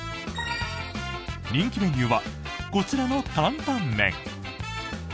人気メニューはこちらの坦々麺。